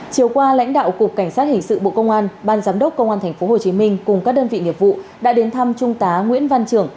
chiều qua lãnh đạo cục cảnh sát hình sự bộ công an ban giám đốc công an tp hcm cùng các đơn vị nghiệp vụ đã đến thăm trung tá nguyễn văn trưởng